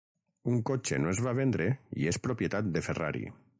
Un cotxe no es va vendre i és propietat de Ferrari.